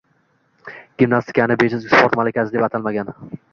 Gimnastikani bejiz «Sport malikasi» deb atalmagan